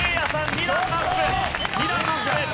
２段アップです。